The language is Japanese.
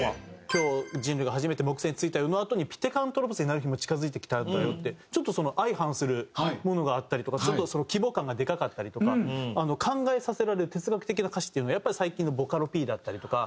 「今日人類がはじめて木星についたよ」のあとに「ピテカントロプスになる日も近づいてきたんだよ」ってちょっと相反するものがあったりとか規模感がでかかったりとか考えさせられる哲学的な歌詞っていうのはやっぱり最近のボカロＰだったりとか。